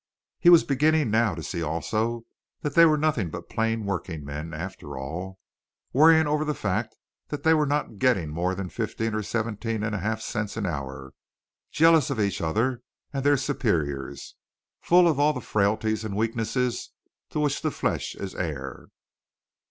He was beginning now to see also that they were nothing but plain workingmen after all, worrying over the fact that they were not getting more than fifteen or seventeen and a half cents an hour; jealous of each other and their superiors, full of all the frailties and weaknesses to which the flesh is heir.